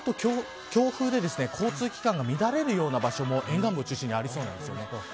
強風で交通機関が乱れるような場所も沿岸部を中心にありそうです。